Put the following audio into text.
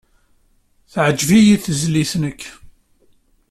Teɛjeb-iyi tezlit-nnek.